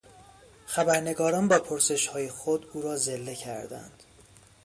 خبرنگاران با پرسشهای خود او را ذله کردند.